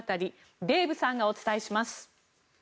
デーブさんがお伝えします。